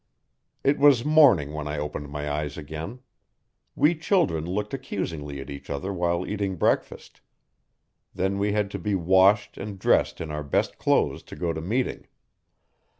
It was morning when I opened my eyes again. We children looked accusingly at each other while eating breakfast. Then we had to be washed and dressed in our best clothes to go to meeting.